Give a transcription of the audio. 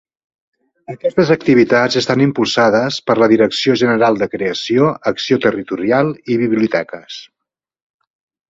Aquestes activitats estan impulsades per la Direcció General de Creació, Acció Territorial i Biblioteques.